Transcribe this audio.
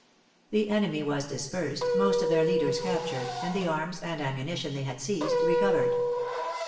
The enemy was dispersed, most of their leaders captured, and the arms and ammunition they had seized recovered.